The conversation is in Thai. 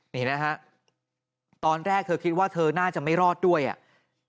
นี่นะฮะตอนแรกเธอคิดว่าเธอน่าจะไม่รอดด้วยอ่ะ